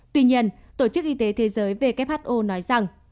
tuy nhiên tổ chức y tế thế giới who nói rằng